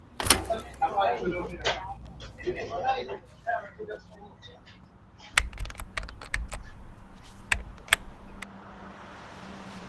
Hata baada ya Rais Uhuru Kenyatta kusaini bajeti ya nyongeza kwa malipo ya shilingi bilioni thelathini na nne za Kenya